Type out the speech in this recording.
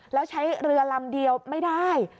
แล้วใช้เรือลำเดียวไม่ได้